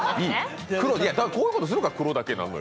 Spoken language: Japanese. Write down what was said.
こういうことするから黒だけなのよ。